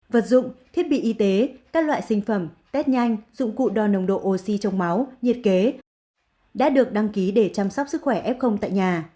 vật dụng thiết bị y tế các loại sinh phẩm test nhanh dụng cụ đo nồng độ oxy trong máu nhiệt kế đã được đăng ký để chăm sóc sức khỏe f tại nhà